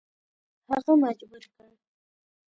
هغه مجبور کړ.